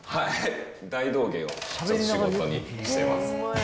大道芸を仕事にしています。